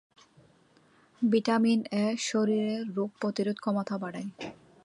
Vitamin ‘A’ শরীরের রোগ প্রতিরোধ ক্ষমতা বাড়ায়।